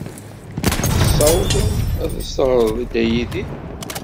Tessawḍeḍ ad as-teɣreḍ i Dda Yidir?